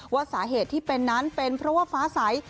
ว่าสาเหตุที่เป็นนั้นเป็นเพราะว่าฟ้าใส